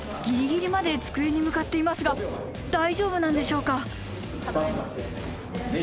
ギリギリまで机に向かっていますが大丈夫なんでしょうか。